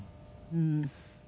うん。